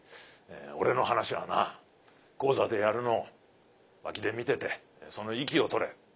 「俺の噺はな高座でやるのを脇で見ててその息をとれ。